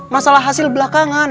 masalah hasil belakangan